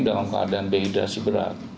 dalam keadaan dehidrasi berat